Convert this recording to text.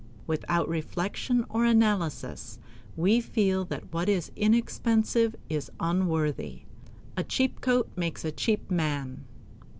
Without reflection or analysis, we feel that what is inexpensive is unworthy. "A cheap coat makes a cheap man."